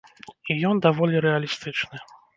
І ён даволі рэалістычны.